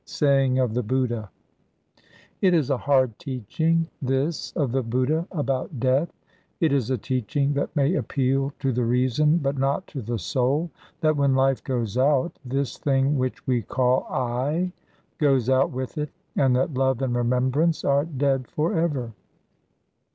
Saying of the Buddha. It is a hard teaching, this of the Buddha about death. It is a teaching that may appeal to the reason, but not to the soul, that when life goes out, this thing which we call 'I' goes out with it, and that love and remembrance are dead for ever.